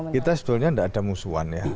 kita sebetulnya tidak ada musuhan ya